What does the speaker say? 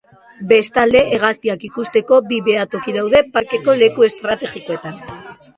Bestalde, hegaztiak ikusteko bi behatoki daude parkeko leku estrategikoetan.